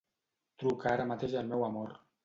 Truca ara mateix al meu amor.